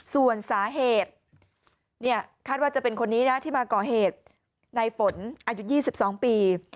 ส่วนสาเหตุคาดว่าจะเป็นคนนี้นะที่มาก่อเหตุในฝนอายุ๒๒ปี